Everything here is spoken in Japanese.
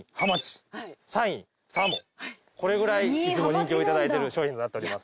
これぐらいいつも人気をいただいてる商品となっております。